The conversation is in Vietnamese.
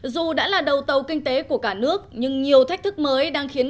dù đã là đầu tàu kinh tế của cả nước nhưng nhiều thách thức mới đang khiến